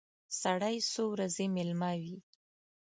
سړی څو ورځې مېلمه وي.